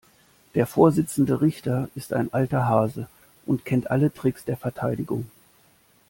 Der Vorsitzende Richter ist ein alter Hase und kennt alle Tricks der Verteidigung.